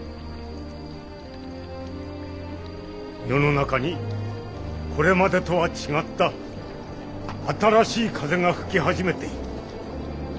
世の中にこれまでとは違った新しい風が吹き始めている。